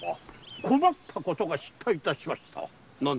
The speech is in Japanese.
困ったことが出来いたしました。